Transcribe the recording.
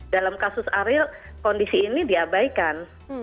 dalam kasus ariel kondisi ini diabaikan